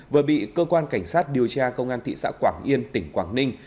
vừa bị cơ quan cảnh sát điều tra công an thị xã quảng yên tỉnh quảng ninh